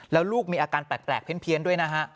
แล้วลูกมีอาการแปลกเพี้ยนด้วยนะฮะ